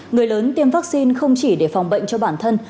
người lớn tiêm vaccine không chỉ để phòng bệnh cho bản thân